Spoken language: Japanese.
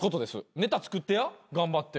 ネタ作ってや頑張って。